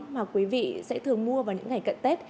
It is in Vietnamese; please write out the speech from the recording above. mà quý vị sẽ thường mua vào những ngày cận tết